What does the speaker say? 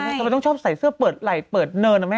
ทำไมต้องชอบใส่เสื้อเปิดไหล่เปิดเนินนะแม่